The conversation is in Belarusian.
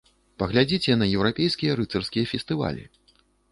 Паглядзіце на еўрапейскія рыцарскія фестывалі.